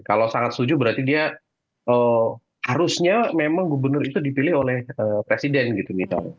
kalau sangat setuju berarti dia harusnya memang gubernur itu dipilih oleh presiden gitu misalnya